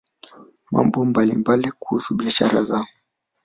mambo mbalimbali kuhusu biashara zao